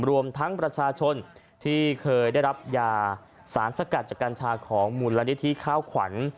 รวมทั้งประชาชนที่เคยได้รับยาสารสกัดจากกัญชาของมูลนิธิข้าวขวัญ